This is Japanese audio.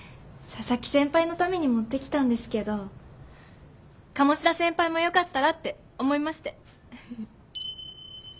佐々木先輩のために持ってきたんですけど鴨志田先輩もよかったらって思いまして。